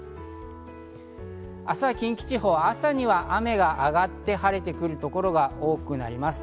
明日は近畿地方、朝には雨が上がって、晴れてくるところが多くなります。